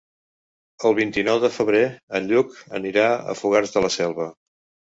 El vint-i-nou de febrer en Lluc anirà a Fogars de la Selva.